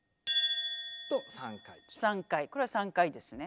３回これは３回ですね。